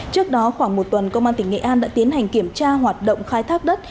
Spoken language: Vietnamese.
trước đó khoảng một tuần công an tỉnh nghệ an đã tiến hành kiểm tra hoạt động khai thác đất